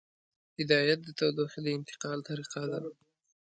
هدایت د تودوخې د انتقال طریقه ده.